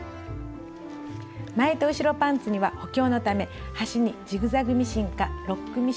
前と後ろパンツには補強のため端にジグザグミシンかロックミシンをかけます。